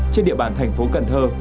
trên địa bàn thành phố cần thơ